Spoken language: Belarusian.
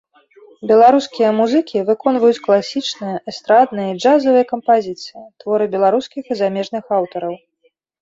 Беларускія музыкі выконваюць класічныя, эстрадныя і джазавыя кампазіцыі, творы беларускіх і замежных аўтараў.